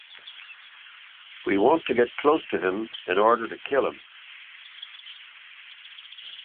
We want to get close to him in order to kill him.